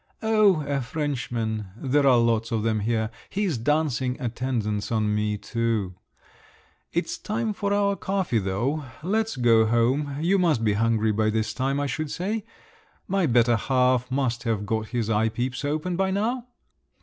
"Oh, a Frenchman, there are lots of them here … He's dancing attendance on me too. It's time for our coffee, though. Let's go home; you must be hungry by this time, I should say. My better half must have got his eye peeps open by now."